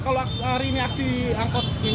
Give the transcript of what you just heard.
kalau hari ini aksi angkot